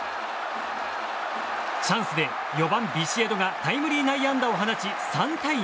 チャンスで４番、ビシエドがタイムリー内野安打を放ち３対２。